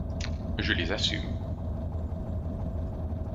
Je les assume.